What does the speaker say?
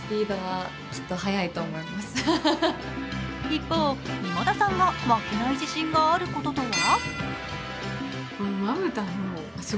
一方、今田さんが負けない自信があることとは？